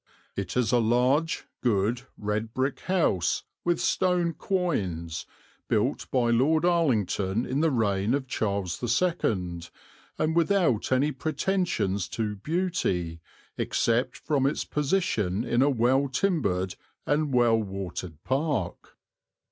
"It is a large, good, red brick house, with stone quoins, built by Lord Arlington in the reign of Charles II, and without any pretensions to beauty, except from its position in a well timbered and well watered park."